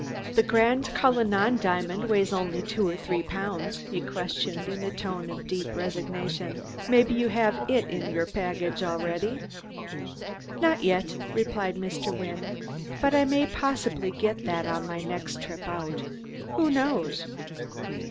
"Der grand Cullinan diamond weighs only two or d'ree pounds," he questioned in a tone of deep resignation. "Maybe you haf him in der backage, alretty?" "Not yet," replied Mr. Wynne, "but I may possibly get that on my next trip out. Who knows?"